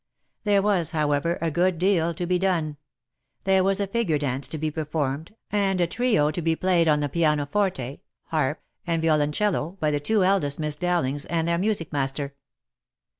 There was, however, a good deal to be done. There was a figure dance to be performed, and a trio to be played on the pianoforte, harp, and violoncello, by the two eldest Miss Dowlings, and their music master.